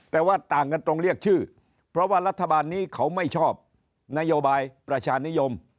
แต่ว่าต่างกันตรงเรียกชื่อเพราะว่ารัฐบาลนี้เขาไม่ชอบนโยบายประชานิยม